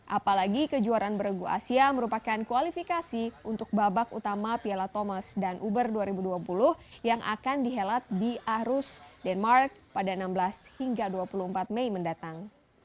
apalagi kejuaraan beregu asia merupakan kualifikasi untuk babak utama piala thomas dan uber dua ribu dua puluh yang akan dihelat di ahrus denmark pada enam belas hingga dua puluh empat mei mendatang